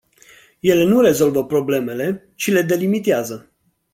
Ele nu rezolvă problemele, ci le delimitează.